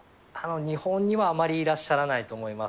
日本にはあまりいらっしゃらないと思います。